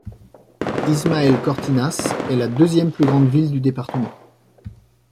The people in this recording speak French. Ismael Cortinas est la deuxième plus grande ville du département.